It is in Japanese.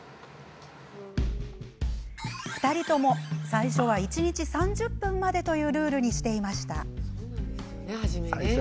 ２人とも最初は、一日３０分までというルールにしていました。